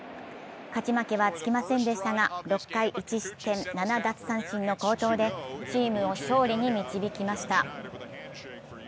勝ち負けはつきませんでしたが６回１失点７奪三振の好投でチームを勝利に導きました。